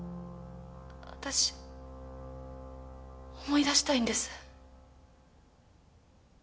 私思い出したいんです。